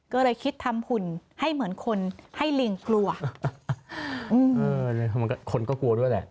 ก็เลยคิดทำหุ่นให้เหมือนคนให้ลิงกลัวอืมเออมันก็คนก็กลัวด้วยแหละ